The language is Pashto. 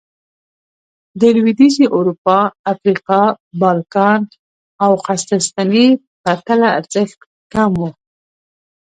د لوېدیځې اروپا، افریقا، بالکان او قسطنطنیې پرتله ارزښت کم و